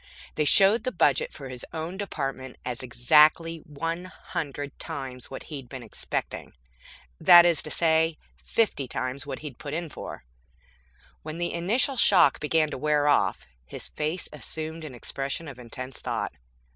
They showed the budget for his own department as exactly one hundred times what he'd been expecting. That is to say, fifty times what he'd put in for. When the initial shock began to wear off, his face assumed an expression of intense thought.